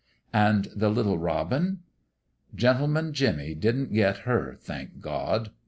" And the little robin ?"" Gentleman Jimmie didn't get her, thank God